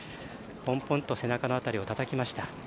ぽんぽんと背中の辺りをたたきました。